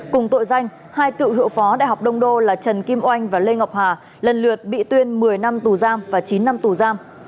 cùng tội danh hai cựu hiệu phó đại học đông đô là trần kim oanh và lê ngọc hà lần lượt bị tuyên một mươi năm tù giam và chín năm tù giam